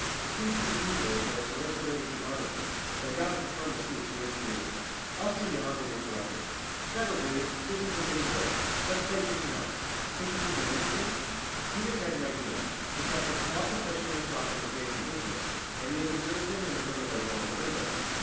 It seems to be usual for a solicitor to be articled, and I doubt if the firm will see its way to " Elsa yawned and interrupted. "That'll do. This isn't any good. Let's play at something else. Can't you think of anything?" Peters had an idea. He passed a small confectioner's shop on his way from business, and he had observed and remembered a label in the window.